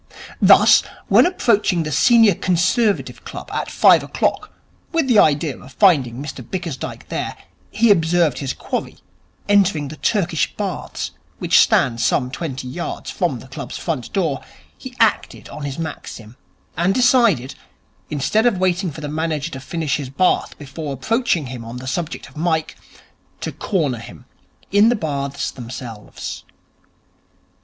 Thus, when approaching the Senior Conservative Club at five o'clock with the idea of finding Mr Bickersdyke there, he observed his quarry entering the Turkish Baths which stand some twenty yards from the club's front door, he acted on his maxim, and decided, instead of waiting for the manager to finish his bath before approaching him on the subject of Mike, to corner him in the Baths themselves.